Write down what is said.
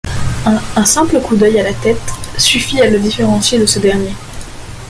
Un simple coup d'œil à la tête suffit à le différencier de ce dernier.